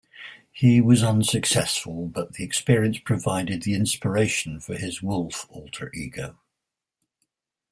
He was unsuccessful, but the experience provided the inspiration for his "Wolf" alter-ego.